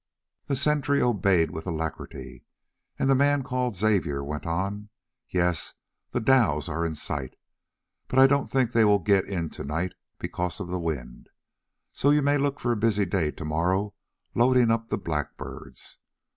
The sentry obeyed with alacrity, and the man called Xavier went on: "Yes, the dhows are in sight, but I don't think that they will get in to night because of this wind, so you may look for a busy day to morrow loading up the blackbirds.